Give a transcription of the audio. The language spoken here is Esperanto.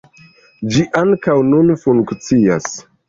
Ĝi ankaŭ nun funkcias.